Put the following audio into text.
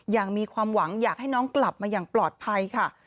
มีความหวังอยากให้น้องกลับมาอย่างปลอดภัยค่ะ